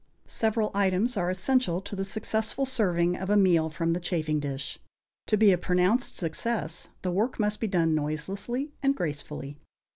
Several items are essential to the successful serving of a meal from the chafing dish. To be a pronounced success, the work must be done noiselessly and gracefully.